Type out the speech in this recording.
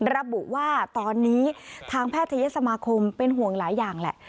ระบุว่าตอนนี้ทางแพทยสมาคมเป็นห่วงหลายอย่างแหละ